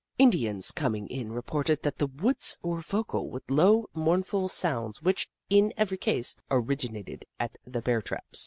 Indians coming in reported that the woods were vocal with low, mournful sounds which, in every case, originated at the Bear traps.